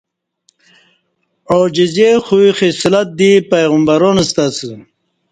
عاجزی خوی خصلت دی پیغمبران ستہ